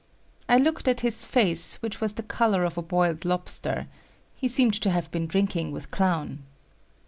I looked at his face which was the color of a boiled lobster. He seemed to have been drinking with Clown.